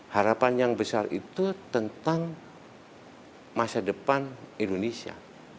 harapan yang besar itu tentang masa depan indonesia